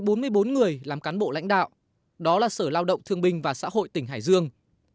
các người làm cán bộ lãnh đạo đó là sở lao động thương bình và xã hội tỉnh hải dương